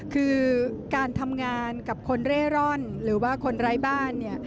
คือการทำงานกับคนเร่ร่อนหรือว่าคนไร้บ้านเนี่ย